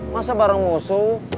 masa bareng musuh